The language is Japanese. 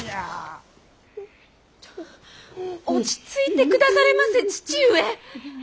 落ち着いて下されませ父上。